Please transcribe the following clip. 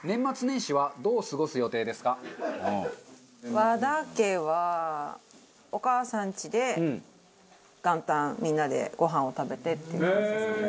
和田家はお義母さんちで元旦みんなでご飯を食べてっていう。